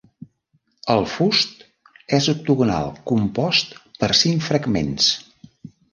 El fust és octogonal compost per cinc fragments.